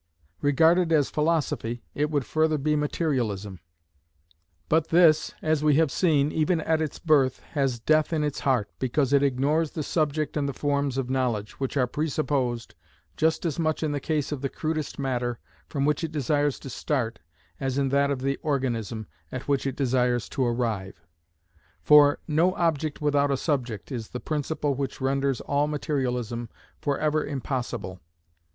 Regarded as philosophy, it would further be materialism; but this, as we have seen, even at its birth, has death in its heart, because it ignores the subject and the forms of knowledge, which are presupposed, just as much in the case of the crudest matter, from which it desires to start, as in that of the organism, at which it desires to arrive. For, "no object without a subject," is the principle which renders all materialism for ever impossible.